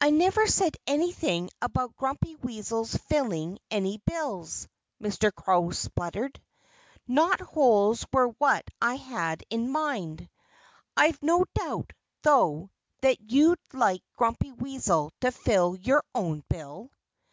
"I never said anything about Grumpy Weasel's filling any bills," Mr. Crow spluttered. "Knot holes were what I had in mind. I've no doubt, though, that you'd like Grumpy Weasel to fill your own bill."